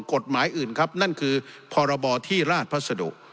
กฎหมายอื่นครับนั่นคือพรบที่ราชพัสดุ